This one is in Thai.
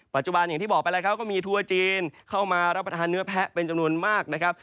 อย่างที่บอกไปแล้วครับก็มีทัวร์จีนเข้ามารับประทานเนื้อแพะเป็นจำนวนมากนะครับ